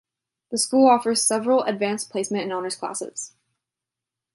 The school offers several Advanced Placement and Honors classes.